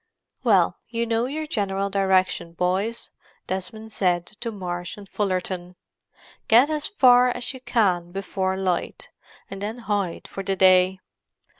"Well, you know your general direction, boys," Desmond said to Marsh and Fullerton. "Get as far as you can before light, and then hide for the day.